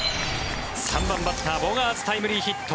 ３番バッター、ボガーツタイムリーヒット。